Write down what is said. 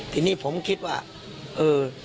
ทีนี้ผมคิดว่าเออ